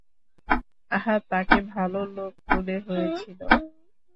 আহা, তাকে ভালো লোক মনে হয়েছিল।